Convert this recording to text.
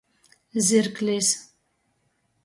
Zirklis.